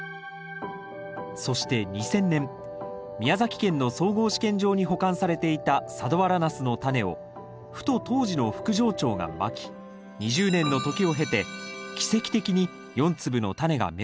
そして２０００年宮崎県の総合試験場に保管されていた佐土原ナスのタネをふと当時の副場長がまき２０年の時を経て奇跡的に４粒のタネが芽を出します。